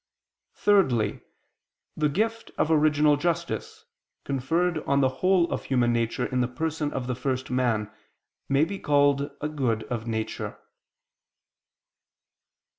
Thirdly, the gift of original justice, conferred on the whole of human nature in the person of the first man, may be called a good of nature.